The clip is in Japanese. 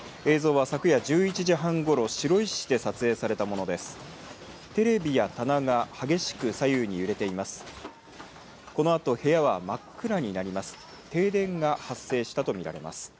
映像は昨夜１１時半ごろ白石市で撮影されたものです。